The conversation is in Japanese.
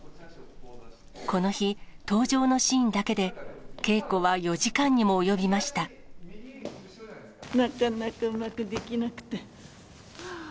この日、登場のシーンだけで、なかなかうまくできなくて。